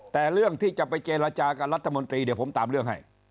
แต่เรื่องที่จะไปเจรจากับรัฐมนตรีเดี๋ยวผมตามเรื่องให้